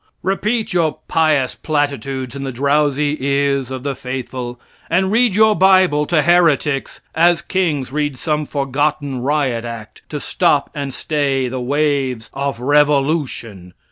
Repeat your pious platitudes in the drowsy ears of the faithful, and read your bible to heretics, as kings read some forgotten riot act to stop and stay the waves of revolution.